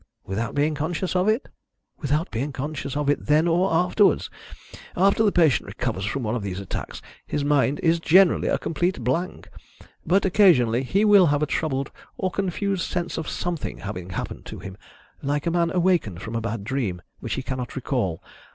"Without being conscious of it?" "Without being conscious of it then or afterwards. After the patient recovers from one of these attacks his mind is generally a complete blank, but occasionally he will have a troubled or confused sense of something having happened to him like a man awakened from a bad dream, which he cannot recall.